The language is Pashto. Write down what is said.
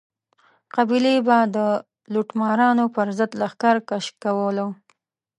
قبیلې به د لوټمارانو پر ضد لښکر کشي کوله.